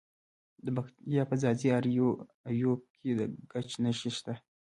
د پکتیا په ځاځي اریوب کې د ګچ نښې شته.